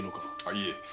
いえ。